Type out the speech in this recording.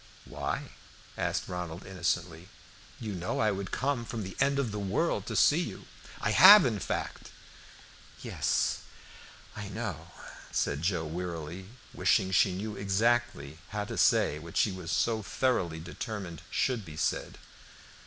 "Why?" asked Ronald, innocently. "You know I would come from the end of the world to see you. I have, in fact." "Yes, I know," said Joe wearily, wishing she knew exactly how to say what she was so thoroughly determined should be said.